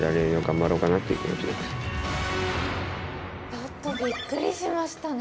ちょっとびっくりしましたね。